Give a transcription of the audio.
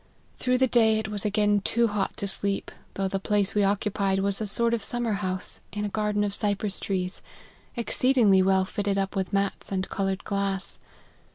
Through the day it was again too hot to sleep, though the place we occupied was a sort of summer house, in a gar den of cypress trees, exceedingly well fitted up with mats and coloured glass.